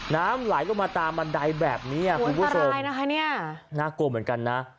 น้ำไหลลงมาตามบันไดแบบนี้คุณผู้ชมน่ากลัวเหมือนกันนะ